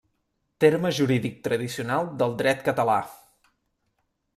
Terme jurídic tradicional del dret català.